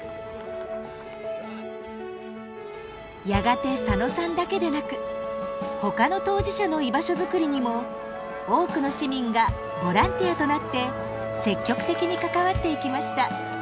やがて佐野さんだけでなくほかの当事者の居場所づくりにも多くの市民がボランティアとなって積極的に関わっていきました。